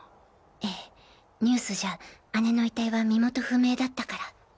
ええニュースじゃ姉の遺体は身元不明だったから。